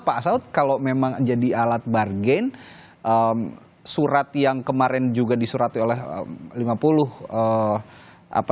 pak saud kalau memang jadi alat bargain surat yang kemarin juga disurati oleh lima puluh